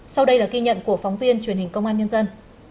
sau đây là ghi nhận của phóng viên truyền hình công an nhân dân